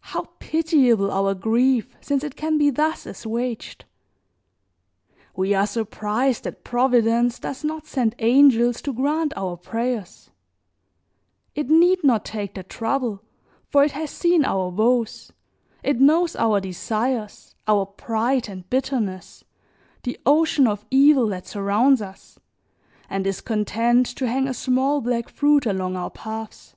How pitiable our grief since it can be thus assuaged. We are surprised that Providence does not send angels to grant our prayers; it need not take the trouble, for it has seen our woes, it knows our desires, our pride and bitterness, the ocean of evil that surrounds us, and is content to hang a small black fruit along our paths.